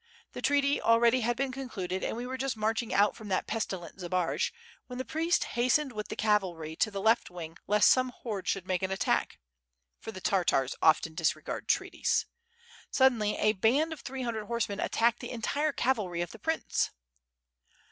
The treaty already had been concluded and we were just marching out from that pestilent Zbaraj, when the prince hastened with the cavalry to the left wing lest some horde should make an attack. ... for the Tartars often disregard treaties. ... Suddenly a band of three hundred horsemen attacked the entire cavalry of the prince."